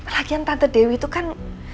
latihan tante dewi itu kan